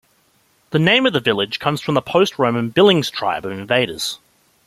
The name of the village comes from the post-Roman Billings tribe of invaders.